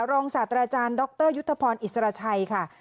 ศาสตราจารย์ดรยุทธพรอิสราชัยค่ะ